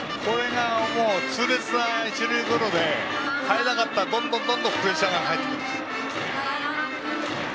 痛烈な一塁ゴロで入らなかったら、どんどんプレッシャーになるんです。